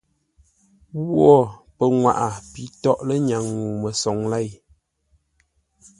Nghwó pənŋwaʼa pi tóghʼ lə́nyaŋ ŋuu məsoŋ lěi,